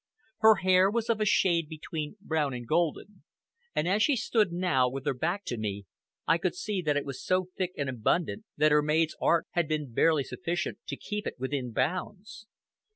Her hair was of a shade between brown and golden, and, as she stood now, with her back to me, I could see that it was so thick and abundant that her maid's art had been barely sufficient to keep it within bounds.